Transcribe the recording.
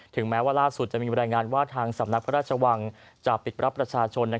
แม้ว่าล่าสุดจะมีบรรยายงานว่าทางสำนักพระราชวังจะปิดรับประชาชน